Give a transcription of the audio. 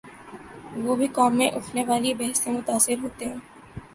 وہ بھی قوم میں اٹھنے والی بحث سے متاثر ہوتے ہیں۔